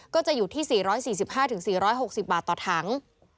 ก็จะอยู่ที่๔๔๕๔๖๐บาทต่อถัง